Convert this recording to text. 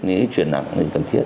nếu chuyện nặng thì cần thiết